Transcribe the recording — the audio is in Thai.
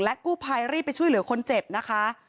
กู้ภัยรีบไปช่วยเหลือคนเจ็บนะคะ